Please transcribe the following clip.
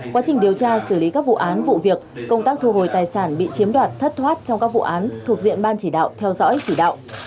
quá trình điều tra xử lý các vụ án vụ việc công tác thu hồi tài sản bị chiếm đoạt thất thoát trong các vụ án thuộc diện ban chỉ đạo theo dõi chỉ đạo